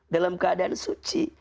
dalam keadaan suci